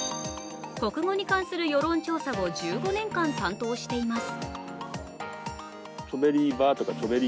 国語に関する世論調査を１５年間担当しています。